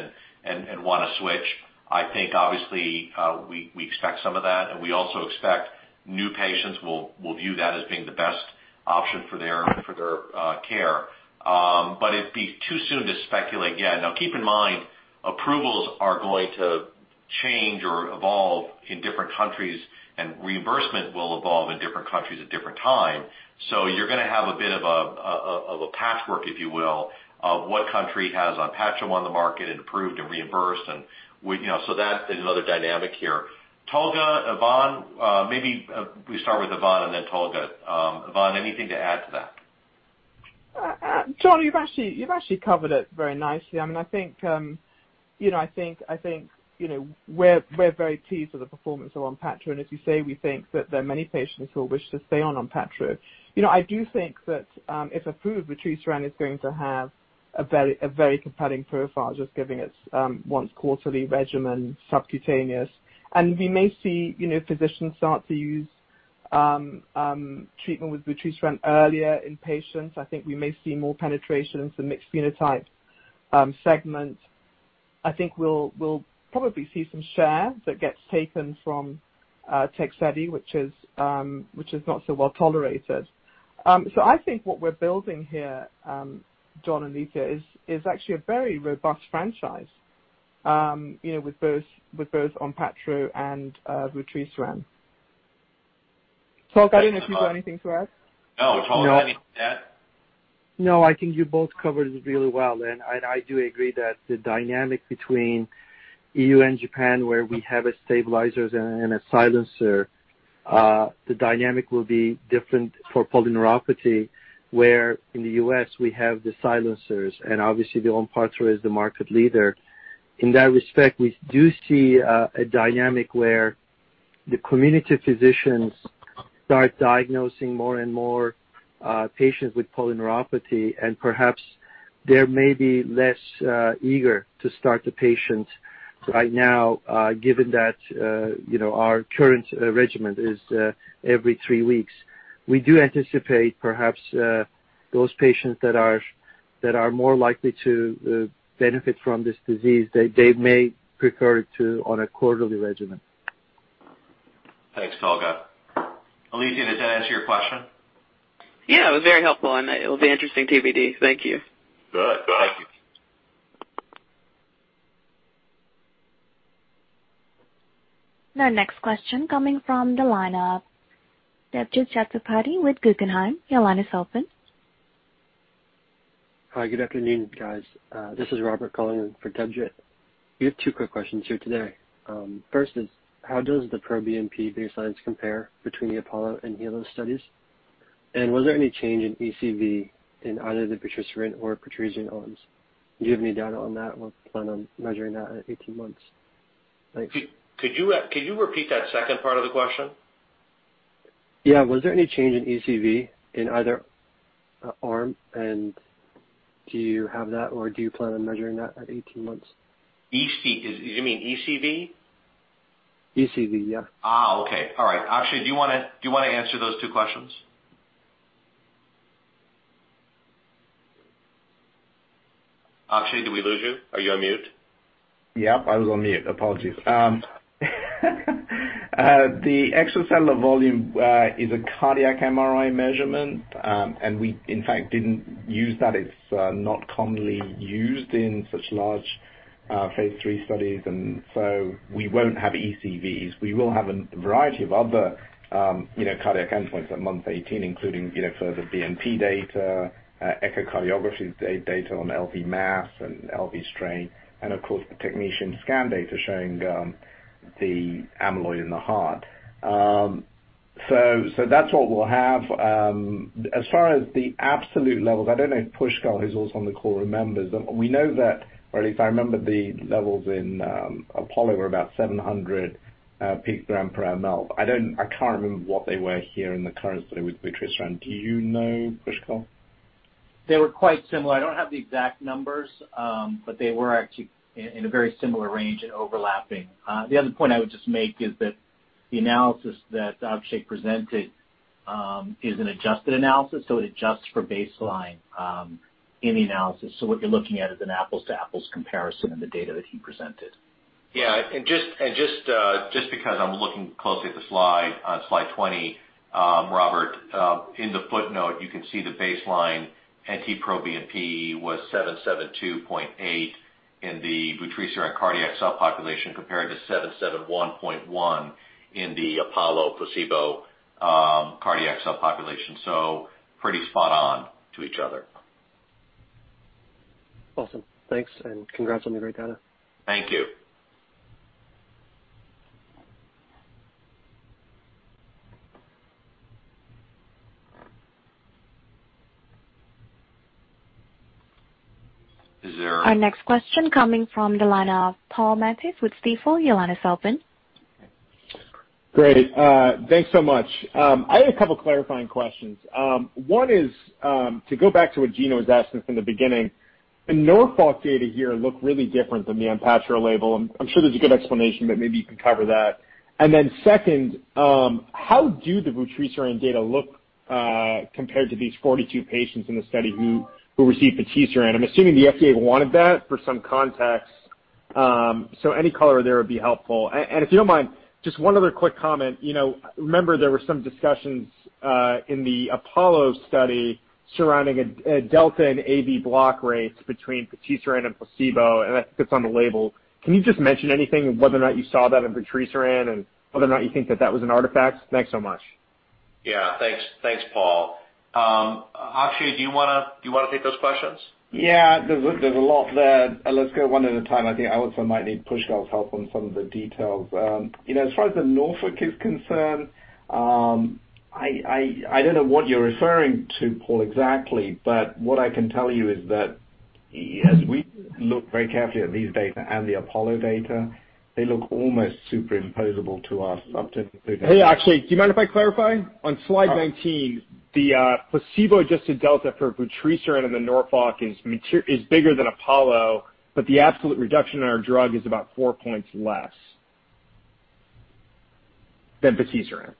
and want to switch. I think, obviously, we expect some of that. And we also expect new patients will view that as being the best option for their care. But it'd be too soon to speculate yet. Now, keep in mind, approvals are going to change or evolve in different countries, and reimbursement will evolve in different countries at different times. So you're going to have a bit of a patchwork, if you will, of what country has ONPATTRO on the market and approved and reimbursed. And so that is another dynamic here. Tolga, Yvonne, maybe we start with Yvonne and then Tolga. Yvonne, anything to add to that? John, you've actually covered it very nicely. I mean, I think we're very pleased with the performance of ONPATTRO. And as you say, we think that there are many patients who will wish to stay on ONPATTRO. I do think that if approved, vutrisiran is going to have a very compelling profile, just giving its once-quarterly regimen subcutaneous. And we may see physicians start to use treatment with vutrisiran earlier in patients. I think we may see more penetration in the mixed phenotype segment. I think we'll probably see some share that gets taken from Tegsedi, which is not so well tolerated. So I think what we're building here, John and Alethia, is actually a very robust franchise with both ONPATTRO and vutrisiran. Tolga, I don't know if you've got anything to add. No. Tolga, anything to add? No. I think you both covered it really well, and I do agree that the dynamic between EU and Japan, where we have a stabilizer and a silencer, the dynamic will be different for polyneuropathy, where in the U.S., we have the silencers, and obviously, the ONPATTRO is the market leader. In that respect, we do see a dynamic where the community physicians start diagnosing more and more patients with polyneuropathy, and perhaps they may be less eager to start the patients right now, given that our current regimen is every three weeks. We do anticipate perhaps those patients that are more likely to benefit from this disease, they may prefer it to on a quarterly regimen. Thanks, Tolga. Alethia, does that answer your question? Yeah. It was very helpful, and it will be interesting TBD. Thank you. Good. Thank you. Now, next question coming from the line of Debjit Chattopadhyay with Guggenheim Securities. Hi. Good afternoon, guys. This is Robert calling in for Debjit. We have two quick questions here today. First is, how does the proBNP baseline compare between the APOLLO and HELIOS studies? And was there any change in ECV in either the patisiran or vutrisiran arms? Do you have any data on that? We'll plan on measuring that at 18 months. Thanks. Could you repeat that second part of the question? Yeah. Was there any change in ECV in either arm? And do you have that, or do you plan on measuring that at 18 months? You mean ECV? ECV, yeah. Okay. All right. Akshay, do you want to answer those two questions? Akshay, did we lose you? Are you on mute? Yep. I was on mute. Apologies. The extracellular volume is a cardiac MRI measurement, and we, in fact, didn't use that. It's not commonly used in such large phase III studies, and so we won't have ECVs. We will have a variety of other cardiac endpoints at month 18, including further BNP data, echocardiography data on LV mass and LV strain, and, of course, the technetium scan data showing the amyloid in the heart, so that's what we'll have. As far as the absolute levels, I don't know if Pushkal, who's also on the call, remembers. We know that, or at least I remember the levels in APOLLO were about 700 pg/mL. I can't remember what they were here in the current study with vutrisiran. Do you know, Pushkal? They were quite similar. I don't have the exact numbers, but they were actually in a very similar range and overlapping. The other point I would just make is that the analysis that Akshay presented is an adjusted analysis, so it adjusts for baseline in the analysis. So what you're looking at is an apples-to-apples comparison in the data that he presented. Yeah. And just because I'm looking closely at the slide, slide 20, Robert, in the footnote, you can see the baseline NT-proBNP was 772.8 in the vutrisiran cardiac subpopulation compared to 771.1 in the APOLLO placebo cardiac subpopulation. So pretty spot on to each other. Awesome. Thanks. And congrats on the great data. Thank you. Is there? Our next question coming from the line of Paul Matteis with Stifel. Great. Thanks so much. I had a couple of clarifying questions. One is to go back to what Gena was asking from the beginning. The Norfolk data here look really different than the ONPATTRO label. I'm sure there's a good explanation, but maybe you can cover that, and then second, how do the vutrisiran data look compared to these 42 patients in the study who received patisiran? I'm assuming the FDA wanted that for some context, so any color there would be helpful, and if you don't mind, just one other quick comment. Remember, there were some discussions in the APOLLO study surrounding a delta in AV block rates between patisiran and placebo, and I think that's on the label. Can you just mention anything, whether or not you saw that in patisiran and whether or not you think that that was an artifact? Thanks so much. Yeah. Thanks, Paul. Akshay, do you want to take those questions? Yeah. There's a lot there. Let's go one at a time. I think I also might need Pushkal's help on some of the details. As far as the Norfolk is concerned, I don't know what you're referring to, Paul, exactly, but what I can tell you is that as we look very carefully at these data and the APOLLO data, they look almost superimposable to us, up to including. Hey, Akshay, do you mind if I clarify? On slide 19, the placebo-adjusted delta for patisiran and the Norfolk is bigger than APOLLO, but the absolute reduction in our drug is about four points less than patisiran.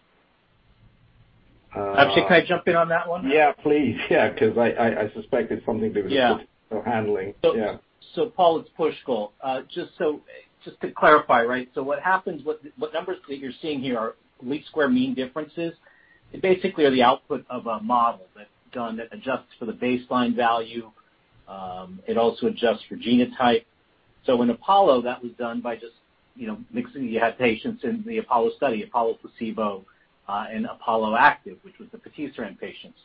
Akshay, can I jump in on that one? Yeah, please. Yeah. Because I suspect it's something they were still handling. Yeah. So Paul, it's Pushkal. Just to clarify, right? So what happens, what numbers that you're seeing here are least squares mean differences. They basically are the output of a model that adjusts for the baseline value. It also adjusts for genotype. So in APOLLO, that was done by just mixing the patients in the APOLLO study, APOLLO placebo, and APOLLO active, which was the patisiran patients.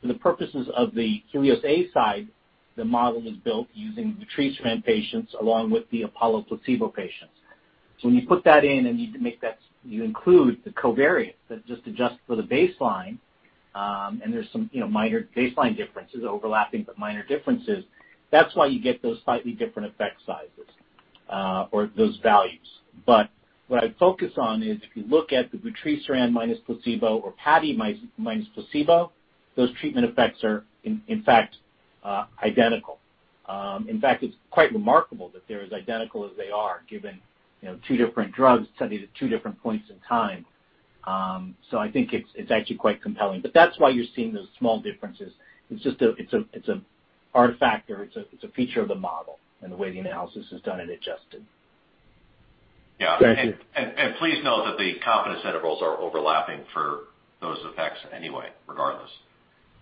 For the purposes of the HELIOS-A side, the model was built using the patisiran patients along with the APOLLO placebo patients. So when you put that in and you include the covariates that just adjust for the baseline, and there's some minor baseline differences, overlapping but minor differences, that's why you get those slightly different effect sizes or those values. But what I focus on is if you look at the vutrisiran minus placebo or patisiran minus placebo, those treatment effects are, in fact, identical. In fact, it's quite remarkable that they're as identical as they are, given two different drugs studied at two different points in time. So I think it's actually quite compelling. But that's why you're seeing those small differences. It's just an artifact or it's a feature of the model and the way the analysis is done and adjusted. Yeah. And please note that the confidence intervals are overlapping for those effects anyway, regardless.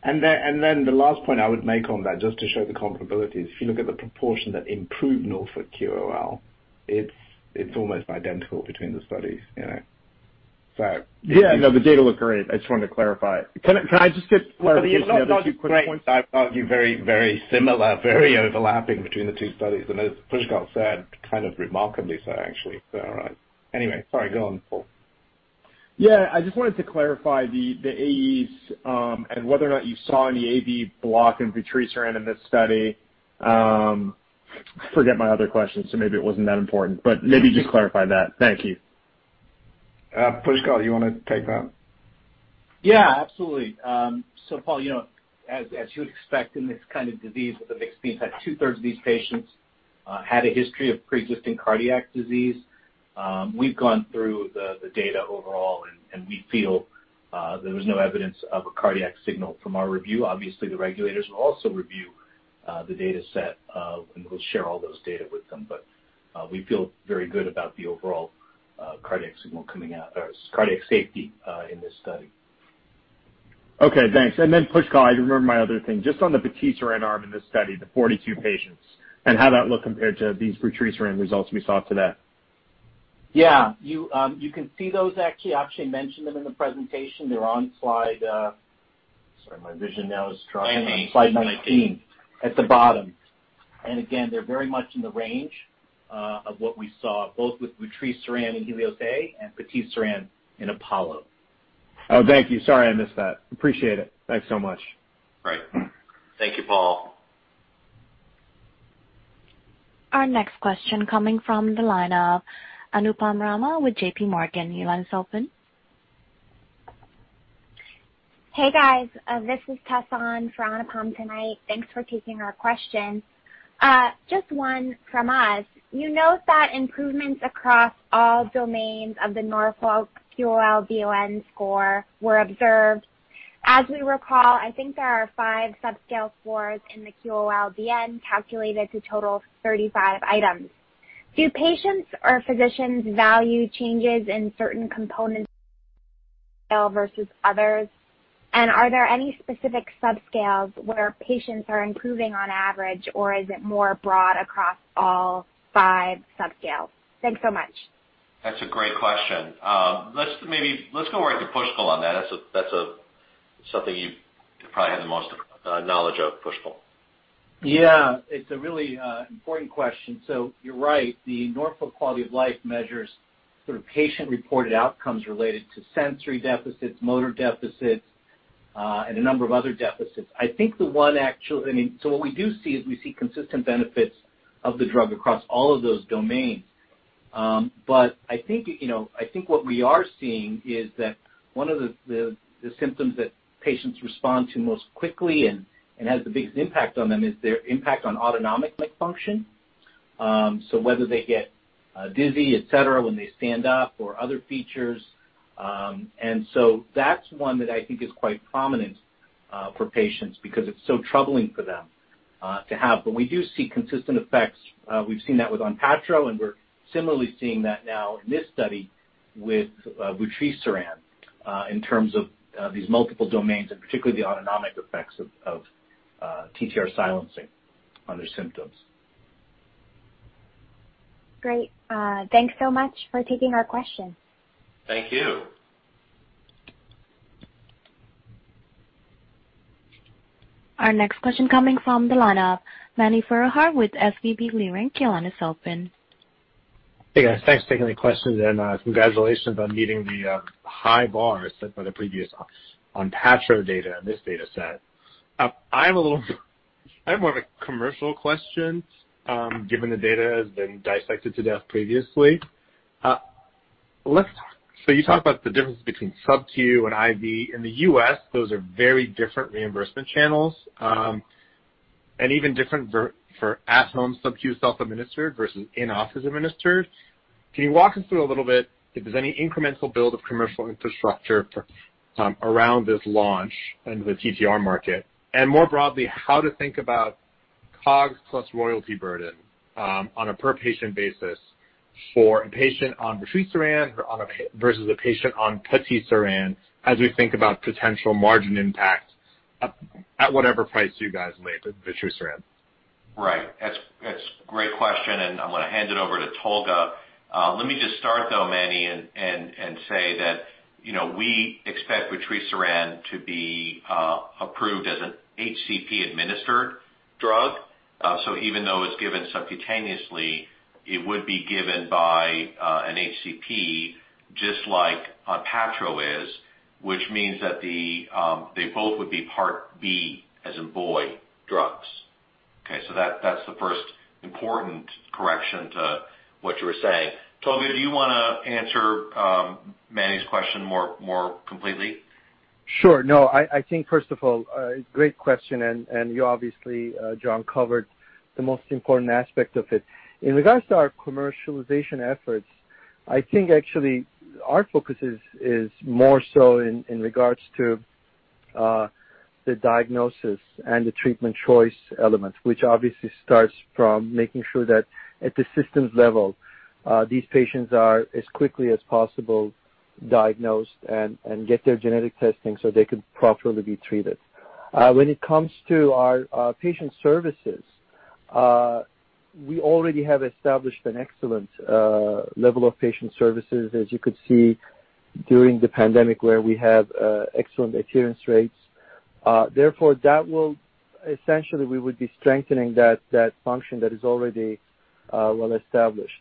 And then the last point I would make on that, just to show the comparability, is if you look at the proportion that improved Norfolk QOL, it's almost identical between the studies. So yeah. The data look great. I just wanted to clarify. Can I just get clarification on two quick points? I've argued very, very similar, very overlapping between the two studies. And as Pushkal said, kind of remarkably so, actually. So anyway, sorry. Go on, Paul. Yeah. I just wanted to clarify the AEs and whether or not you saw any AV block in vutrisiran in this study. I forget my other question, so maybe it wasn't that important. But maybe just clarify that. Thank you. Pushkal, you want to take that? Yeah. Absolutely. So Paul, as you would expect in this kind of disease with a mixed phenotype, two-thirds of these patients had a history of pre-existing cardiac disease. We've gone through the data overall, and we feel there was no evidence of a cardiac signal from our review. Obviously, the regulators will also review the dataset, and we'll share all those data with them. But we feel very good about the overall cardiac signal coming out or cardiac safety in this study. Okay. Thanks. And then Pushkal, I remember my other thing. Just on the patisiran arm in this study, the 42 patients, and how that looked compared to these patisiran results we saw today? Yeah. You can see those actually. Akshay mentioned them in the presentation. They're on slide, sorry, my vision now is dropping, on slide 19 at the bottom. And again, they're very much in the range of what we saw, both with patisiran in HELIOS-A and patisiran in APOLLO. Oh, thank you. Sorry, I missed that. Appreciate it. Thanks so much. Great. Thank you, Paul. Our next question coming from the line of Anupam Rama with JPMorgan. Hey, guys. This is Tessa for Anupam tonight. Thanks for taking our questions. Just one from us. You note that improvements across all domains of the Norfolk QOL-DN score were observed. As we recall, I think there are five subscale scores in the QOL-DN calculated to total 35 items. Do patients or physicians value changes in certain components versus others? And are there any specific subscales where patients are improving on average, or is it more broad across all five subscales? Thanks so much. That's a great question. Let's go over to Pushkal on that. That's something you probably have the most knowledge of, Pushkal. Yeah. It's a really important question. So you're right. The Norfolk Quality of Life measures patient-reported outcomes related to sensory deficits, motor deficits, and a number of other deficits. I think the one actually, I mean, so what we do see is we see consistent benefits of the drug across all of those domains. But I think what we are seeing is that one of the symptoms that patients respond to most quickly and has the biggest impact on them is their impact on autonomic function. So whether they get dizzy, etc., when they stand up, or other features. And so that's one that I think is quite prominent for patients because it's so troubling for them to have. But we do see consistent effects. We've seen that with ONPATTRO, and we're similarly seeing that now in this study with vutrisiran in terms of these multiple domains and particularly the autonomic effects of TTR silencing on their symptoms. Great. Thanks so much for taking our questions. Thank you. Our next question coming from the line of Mani Foroohar with SVB Leerink. Hey, guys. Thanks for taking the question. And congratulations on meeting the high bars set by the previous ONPATTRO data in this dataset. I have more of a commercial question, given the data has been dissected to death previously. So you talked about the difference between sub-Q and IV. In the U.S., those are very different reimbursement channels, and even different for at-home sub-Q self-administered versus in-office administered. Can you walk us through a little bit if there's any incremental build of commercial infrastructure around this launch and the TTR market? And more broadly, how to think about COGS plus royalty burden on a per-patient basis for a patient on vutrisiran versus a patient on patisiran as we think about potential margin impact at whatever price you guys label vutrisiran. Right. That's a great question, and I'm going to hand it over to Tolga. Let me just start, though, Mani, and say that we expect vutrisiran to be approved as an HCP-administered drug. So even though it's given subcutaneously, it would be given by an HCP, just like ONPATTRO is, which means that they both would be Part B, as in boy, drugs. Okay. So that's the first important correction to what you were saying. Tolga, do you want to answer Mani's question more completely? Sure. No. I think, first of all, it's a great question, and you obviously, John, covered the most important aspect of it. In regards to our commercialization efforts, I think actually our focus is more so in regards to the diagnosis and the treatment choice element, which obviously starts from making sure that at the systems level, these patients are as quickly as possible diagnosed and get their genetic testing so they can properly be treated. When it comes to our patient services, we already have established an excellent level of patient services, as you could see during the pandemic where we have excellent adherence rates. Therefore, that will essentially. We would be strengthening that function that is already well established.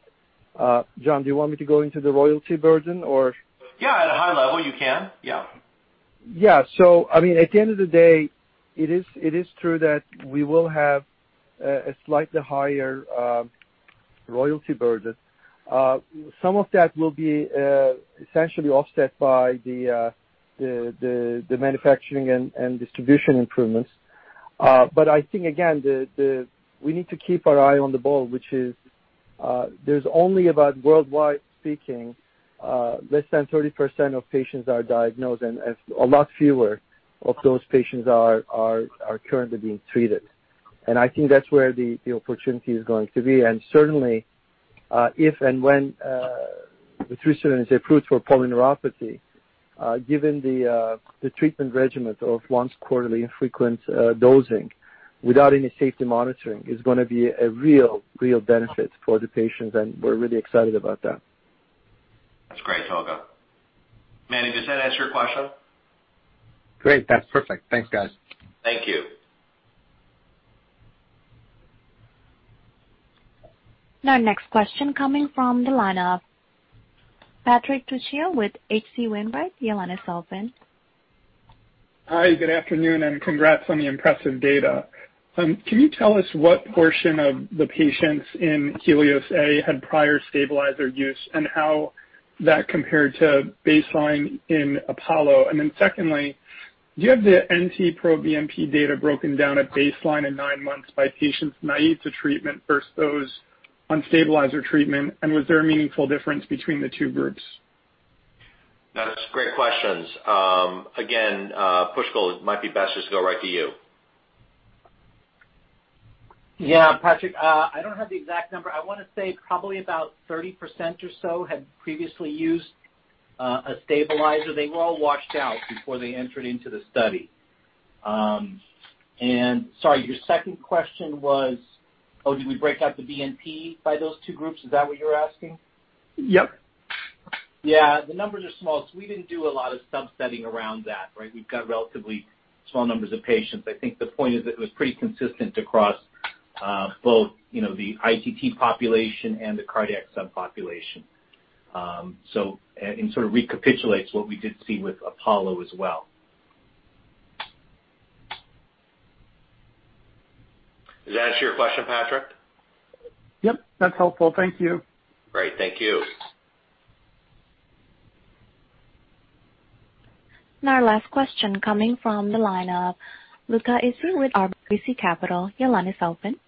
John, do you want me to go into the royalty burden, or? Yeah. At a high level, you can. Yeah. Yeah. So I mean, at the end of the day, it is true that we will have a slightly higher royalty burden. Some of that will be essentially offset by the manufacturing and distribution improvements. But I think, again, we need to keep our eye on the ball, which is there's only about, worldwide speaking, less than 30% of patients are diagnosed, and a lot fewer of those patients are currently being treated. And I think that's where the opportunity is going to be. And certainly, if and when vutrisiran is approved for polyneuropathy, given the treatment regimen of once quarterly infrequent dosing without any safety monitoring is going to be a real, real benefit for the patients, and we're really excited about that. That's great, Tolga. Mani, does that answer your question? Great. That's perfect. Thanks, guys. Thank you. Our next question coming from the line of Patrick Trucchio with H.C. Wainwright. Hi. Good afternoon, and congrats on the impressive data. Can you tell us what portion of the patients in HELIOS-A had prior stabilizer use and how that compared to baseline in APOLLO? And then secondly, do you have the NT-proBNP data broken down at baseline in nine months by patients naive to treatment versus those on stabilizer treatment? And was there a meaningful difference between the two groups? That's great questions. Again, Pushkal, it might be best just to go right to you. Yeah. Patrick, I don't have the exact number. I want to say probably about 30% or so had previously used a stabilizer. They were all washed out before they entered into the study. And sorry, your second question was, oh, did we break out the BNP by those two groups? Is that what you're asking? Yep. Yeah. The numbers are small, so we didn't do a lot of subsetting around that, right? We've got relatively small numbers of patients. I think the point is that it was pretty consistent across both the ITT population and the cardiac subpopulation. So it sort of recapitulates what we did see with APOLLO as well. Does that answer your question, Patrick? Yep. That's helpful. Thank you. Great. Thank you. And our last question coming from the line of Luca Issi here with RBC Capital Markets.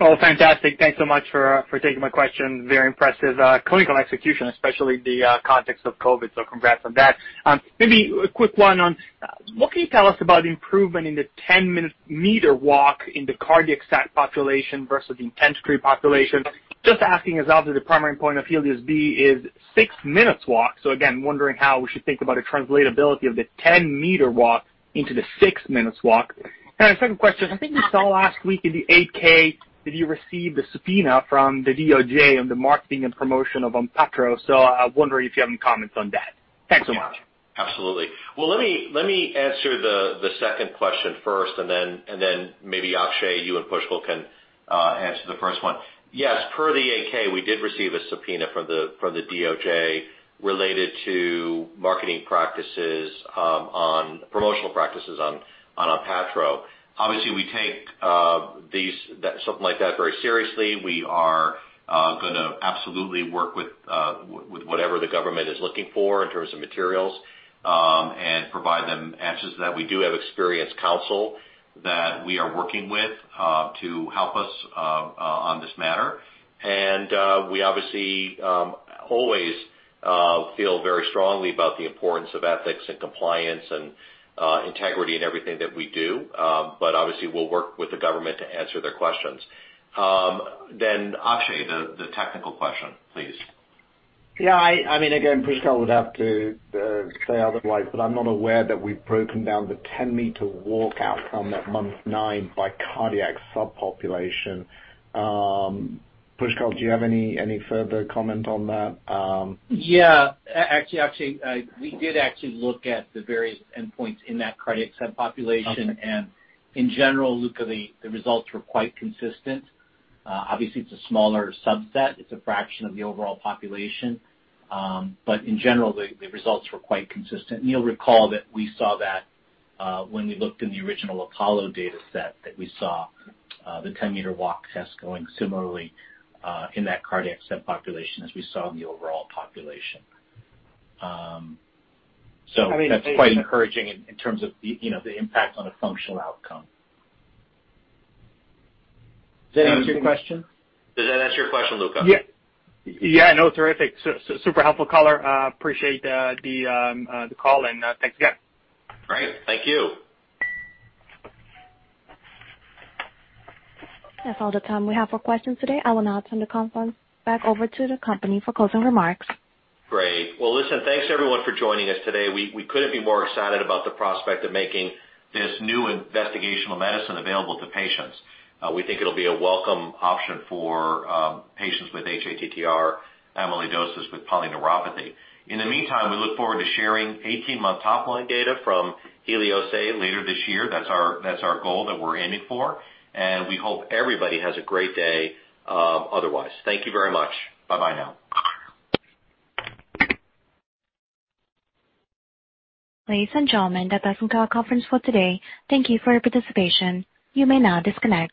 Oh, fantastic. Thanks so much for taking my question. Very impressive clinical execution, especially the context of COVID. So congrats on that. Maybe a quick one on what can you tell us about improvement in the 10-Meter Walk in the cardiac subpopulation versus the ITT population? Just asking as obviously the primary point of HELIOS-B is six minutes walk. So again, wondering how we should think about the translatability of the 10-meter walk into the six minutes walk. And our second question, I think we saw last week in the 8-K, did you receive the subpoena from the DOJ on the marketing and promotion of ONPATTRO? So I'm wondering if you have any comments on that. Thanks so much. Absolutely. Well, let me answer the second question first, and then maybe Akshay, you and Pushkal can answer the first one. Yes. Per the 8-K, we did receive a subpoena from the DOJ related to marketing practices on promotional practices on ONPATTRO. Obviously, we take something like that very seriously. We are going to absolutely work with whatever the government is looking for in terms of materials and provide them answers to that. We do have experienced counsel that we are working with to help us on this matter, and we obviously always feel very strongly about the importance of ethics and compliance and integrity in everything that we do, but obviously, we'll work with the government to answer their questions. Then, Akshay, the technical question, please. Yeah. I mean, again, Pushkal would have to say otherwise, but I'm not aware that we've broken down the 10-Meter Walk outcome at month nine by cardiac subpopulation. Pushkal, do you have any further comment on that? Yeah. Actually, we did actually look at the various endpoints in that cardiac subpopulation, and in general, Luca, the results were quite consistent. Obviously, it's a smaller subset. It's a fraction of the overall population, but in general, the results were quite consistent. And you'll recall that we saw that when we looked in the original APOLLO dataset that we saw the 10-Meter Walk test going similarly in that cardiac subpopulation as we saw in the overall population. So that's quite encouraging in terms of the impact on a functional outcome. Does that answer your question? Does that answer your question, Luca? Yeah. Yeah. No. Terrific. Super helpful, color. Appreciate the call, and thanks again. Great. Thank you. That's all the time we have for questions today. I will now turn the conference back over to the company for closing remarks. Great. Well, listen, thanks everyone for joining us today. We couldn't be more excited about the prospect of making this new investigational medicine available to patients. We think it'll be a welcome option for patients with hATTR amyloidosis with polyneuropathy. In the meantime, we look forward to sharing 18-month topline data from HELIOS-A later this year. That's our goal that we're aiming for. And we hope everybody has a great day otherwise. Thank you very much. Bye-bye now. Ladies and gentlemen, that concludes our conference for today. Thank you for your participation. You may now disconnect.